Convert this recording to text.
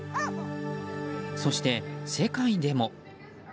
そして、世界でも。